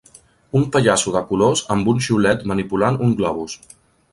Un pallasso de colors amb un xiulet manipulant un globus.